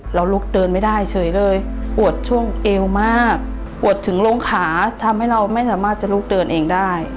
เราลุกเดินไม่ได้เฉยเลยปวดช่วงเอวมากปวดถึงโรงขาทำให้เราไม่สามารถจะลุกเดินเองได้